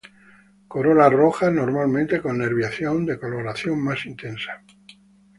Corola roja, normalmente con nerviación de coloración más intensa.